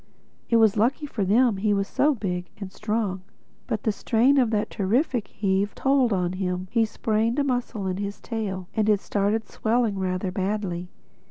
It was lucky for them he's so big and strong. But the strain of that terrific heave told on him: he sprained a muscle in his tail and it started swelling rather badly.